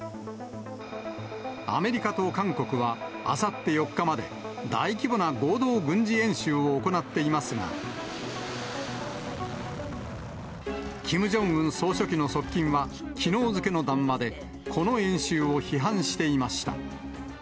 アメリカと韓国は、あさって４日まで大規模な合同軍事演習を行っていますが、キム・ジョンウン総書記の側近は、きのう付けの談話で、この演習を批判していました。